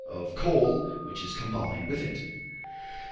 of coal, which is combined with it.